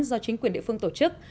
do chính quyền địa phương tổ chức